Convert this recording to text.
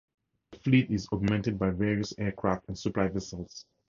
The fleet is augmented by various aircraft and supply vessels.